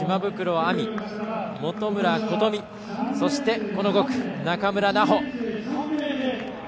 嶋袋碧海、本村琴美そして、この５区、仲村奈穂。